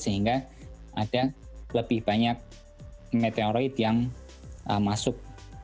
sehingga ada lebih banyak meteoroid yang masuk